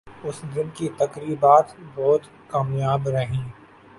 اس دن کی تقریبات بہت کامیاب رہیں ۔